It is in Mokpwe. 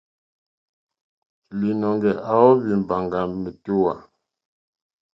Lìnɔ̀ŋɡɛ̀ à óhwì mbàŋɡɛ̀ à mèótówà.